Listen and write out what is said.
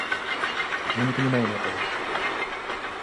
Мы не понимаем этого.